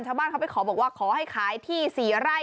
ชาวบ้านเขาไปขอบอกว่าขอให้ขายที่๔ไร่